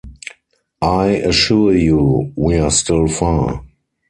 I assure you, we are still far.